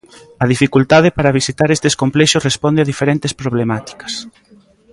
A dificultade para visitar estes complexos responde a diferentes problemáticas.